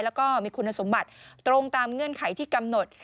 แล้วก็มีคุณสมบัติตรงตามเงื่อนไขที่กำหนด